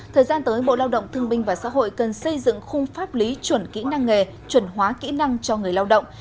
thời gian tới bộ lao động thương binh và xã hội cần xây dựng khung pháp lý chuẩn kỹ năng nghề chuẩn hóa kỹ năng cho người lao động